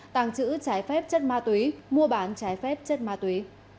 tàng trữ trái phép chất ma túy mua bán trái phép chất ma túy